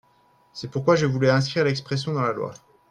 C’est pourquoi je voulais inscrire l’expression dans la loi.